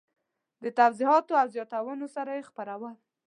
په توضیحاتو او زیاتونو سره یې خپروم.